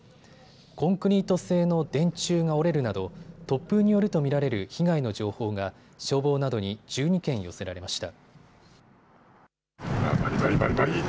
コンクリート製の電柱が折れるなど突風によると見られる被害の情報が消防などに１２件寄せられました。